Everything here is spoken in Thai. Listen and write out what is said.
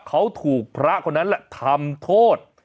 เขาถูกพระคนนั้นแหละทำโทษ